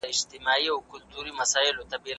افغان نجوني په اوسني حکومت کي بشپړ استازي نه لري.